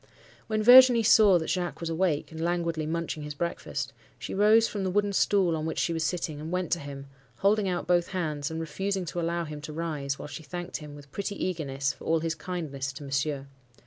"When Virginie saw that Jacques was awake, and languidly munching his breakfast, she rose from the wooden stool on which she was sitting, and went to him, holding out both hands, and refusing to allow him to rise, while she thanked him with pretty eagerness for all his kindness to Monsieur.